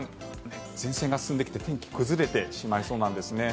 前線が進んできて天気崩れてしまいそうなんですね。